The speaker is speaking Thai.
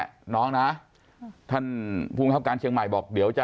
ธนภูมิไทยครับการเชียงใหม่บอกเดี๋ยวจะ